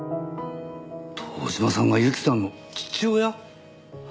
堂島さんが由季さんの父親！？